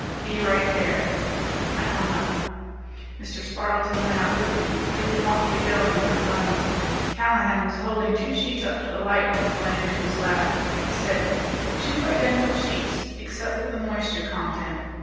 "Be right there." I hung up. Mr. Spardleton went out with me; he didn't want me to go anywhere alone. Callahan was holding two sheets up to the light when we went into his lab. He said, "Two identical sheets, except for the moisture content.